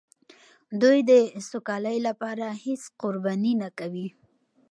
دوی د سوکالۍ لپاره هېڅ قرباني نه کوي.